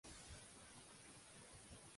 A l'esdeveniment, R. J.